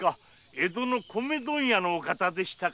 江戸の米問屋のお方でしたか。